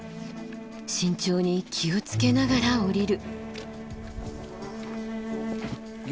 慎重に気を付けながら下りる。